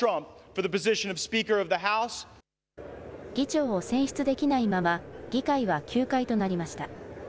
議長を選出できないまま議会は休会となりました。